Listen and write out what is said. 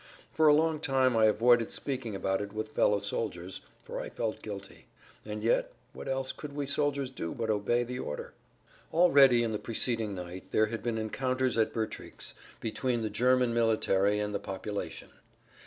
For a long time I avoided speaking about it with fellow soldiers, for I felt guilty. And yet—what else could we soldiers do but obey the order? Already in the preceding night there had been encounters at Bertrix between the German military and the population.